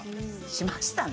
しましたね。